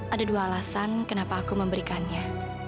ada dua alasan kenapa aku memberikannya